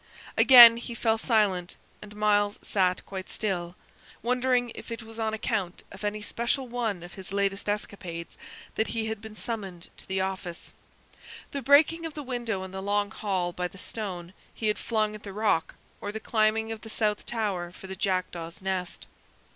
Again he fell silent, and Myles sat quite still, wondering if it was on account of any special one of his latest escapades that he had been summoned to the office the breaking of the window in the Long Hall by the stone he had flung at the rook, or the climbing of the South Tower for the jackdaw's nest.